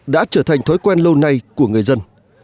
đã trở thành thói quen lâu nay của người dân